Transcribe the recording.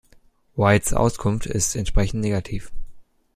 Whites Auskunft ist entsprechend negativ.